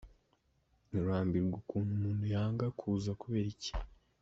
urambwira ukuntu umuntu yanga kuza, kubera iki? ”.